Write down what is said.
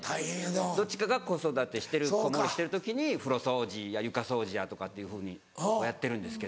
どっちかが子育てしてる子守りしてる時に風呂掃除床掃除っていうふうにやってるんですけど。